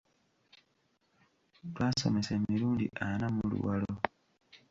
Twasomesa emirundi ana mu Luwalo.